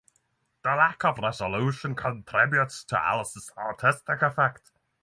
The lack of resolution contributes to Ellis' artistic effect.